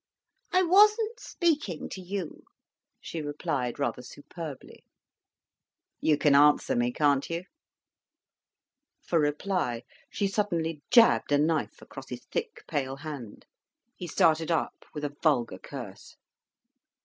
"I wasn't speaking to you," she replied rather superbly. "You can answer me, can't you?" he said. For reply, she suddenly jabbed a knife across his thick, pale hand. He started up with a vulgar curse.